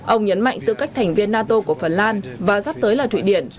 ông nhấn mạnh tư cách thành viên nato của phần lan và sắp tới là thụy điển